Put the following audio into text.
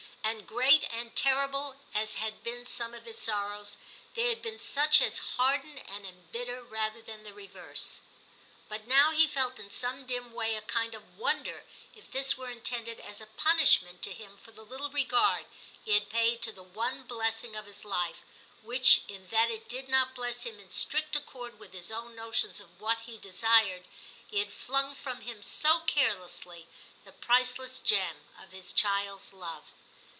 And great and terrible as had been some of his sorrows, they had been such as harden and embitter rather than the reverse. But now he felt in some dim way a kind of wonder if this were intended as a punishment to him for the little regard he had paid to the one blessing of his life, which, in that it did not bless him in strict accord with his own notions of what he desired, he had flung from him so carelessly, the priceless gem of his child's love.